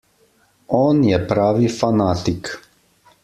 On je pravi fanatik.